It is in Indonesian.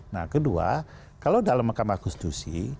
nah kedua kalau dalam mahkamah konstitusi